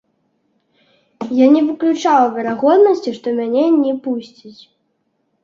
Я не выключаў верагоднасці, што мяне не пусцяць.